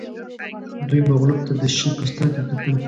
دوی مغلوب ته د شي په سترګه کتل